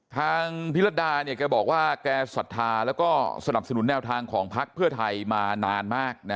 ทางพิรดาเนี่ยแกบอกว่าแกศรัทธาแล้วก็สนับสนุนแนวทางของพักเพื่อไทยมานานมาก